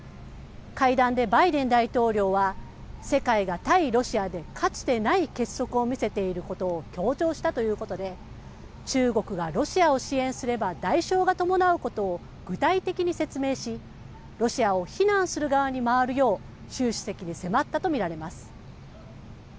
会談でバイデン大統領は、世界が対ロシアで、かつてない結束を見せていることを強調したということで、中国がロシアを支援すれば、代償が伴うことを具体的に説明し、ロシアを非難する側に回るよう、習主席に迫ったと見られます。